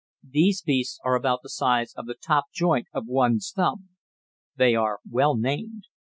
These beasts are about the size of the top joint of one's thumb. They are well named.